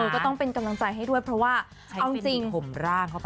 ก็ต้องเป็นกำลังใจให้ด้วยเพราะว่าเอาจริง